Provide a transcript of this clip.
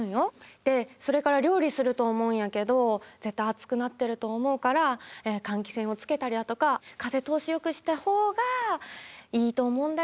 でそれから料理すると思うんやけど絶対暑くなってると思うから換気扇をつけたりだとか風通しよくしたほうがいいと思うんだよな。